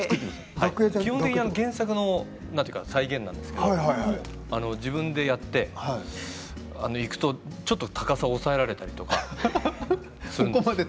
基本的に原作の再現なんですけれど自分でやっていくとちょっと高さを抑えられたりとかするんです。